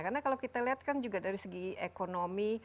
karena kalau kita lihat kan juga dari segi ekonomi